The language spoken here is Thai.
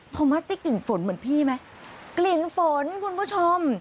ขอมอสที่ยิ่งฝนเหมือนพี่ไหมกลิ่นฝนคุณผู้ชม